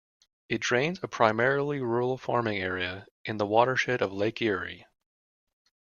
It drains a primarily rural farming area in the watershed of Lake Erie.